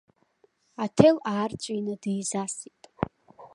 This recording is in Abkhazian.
Аҭел аарҵәины дизасит.